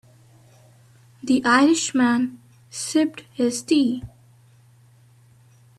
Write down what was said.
The Irish man sipped his tea.